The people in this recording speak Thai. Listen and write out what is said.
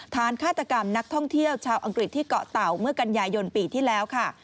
ฆาตกรรมนักท่องเที่ยวชาวอังกฤษที่เกาะเต่าเมื่อกันยายนปีที่แล้วค่ะ